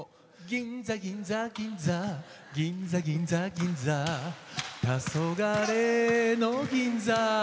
「銀座銀座銀座」「銀座銀座銀座」「たそがれの銀座」